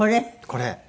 これ。